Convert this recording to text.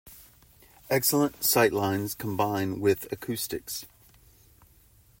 Excellent sight lines combine with acoustics.